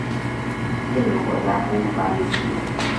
印度国家公路管理局。